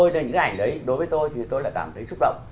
những cái ảnh đấy đối với tôi thì tôi là cảm thấy xúc động